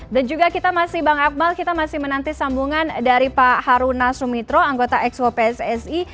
dan juga kita masih bang akmal kita masih menanti sambungan dari pak haruna sumitra anggota exco pssi